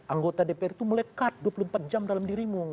anggota dpr itu melekat dua puluh empat jam dalam dirimu